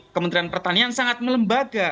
kementerian pertanian sangat melembaga